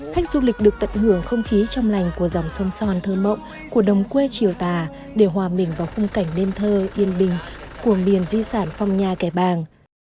khách du lịch được tận hưởng không khí trong lành của dòng sông son thơ mộng của đồng quê triều tà để hòa mình vào khung cảnh nền thơ yên bình của miền di sản phong nha kẻ bàng